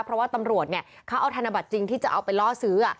เพราะว่าตำรวจเขาเอาธนบัตรจริงที่จะเอาไปล่อซื้อ